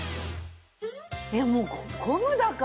いやもうゴムだからさ